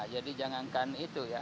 jadi jangankan itu ya